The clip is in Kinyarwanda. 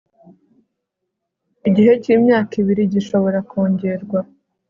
igihe cy'imyaka ibiri gishobora kongerwa